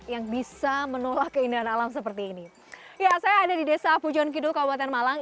yang bisa menolak keindahan alam seperti ini ya saya ada di desa pujon kidul kabupaten malang